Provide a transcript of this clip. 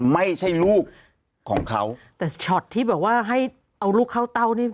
ไม่ใช่ลูกของเขาแต่ช็อตที่แบบว่าให้เอาลูกเข้าเต้านี่